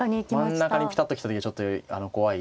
真ん中にぴたっと来た時はちょっと怖い。